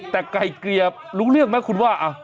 แต่ไก่เกลี่ยรู้เรื่องไหมคุณว่า